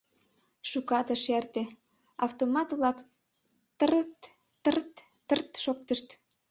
Шукат ыш эрте — автомат-влак тррт, тррт, тррт шоктышт.